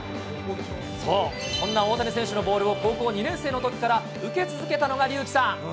そう、そんな大谷選手のボールを高校２年生のときから受け続けたのが隆貴さん。